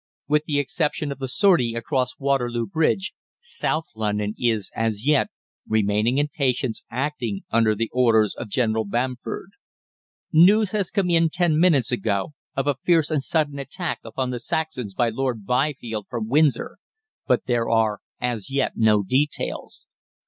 "With the exception of the sortie across Waterloo Bridge, South London is, as yet, remaining in patience, acting under the orders of General Bamford. "News has come in ten minutes ago of a fierce and sudden attack upon the Saxons by Lord Byfield from Windsor, but there are, as yet, no details.